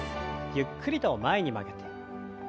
ゆっくりと前に曲げて。